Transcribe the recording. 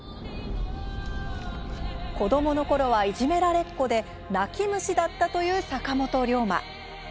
子どものころはいじめられっ子で泣き虫だったという坂本龍馬。